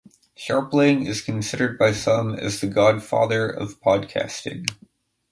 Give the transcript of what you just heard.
Scharpling is considered by some as the "Godfather Of Podcasting".